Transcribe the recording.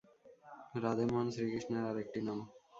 রাধে মোহন শ্রীকৃষ্ণের আর একটি নাম।